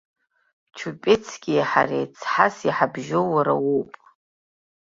Чупецкии ҳареи цҳас иҳабжьоу уара уоуп.